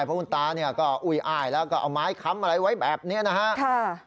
เพราะคุณตาเนี่ยก็อุ้ยอ้ายแล้วก็เอาไม้ค้ำอะไรไว้แบบนี้นะฮะ